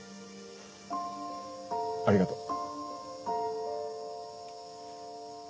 ありがとう。